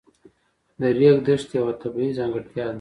د ریګ دښتې یوه طبیعي ځانګړتیا ده.